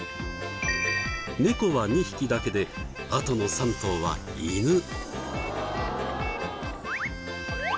ネコは２匹だけであとの３頭はイヌ。